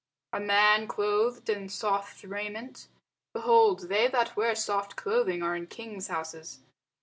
A man clothed in soft raiment? behold, they that wear soft clothing are in kings' houses.